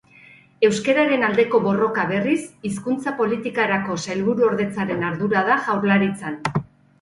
Euskararen aldeko borroka, berriz, Hizkuntza Politikarako Sailburuordetzaren ardura da Jaurlaritzan.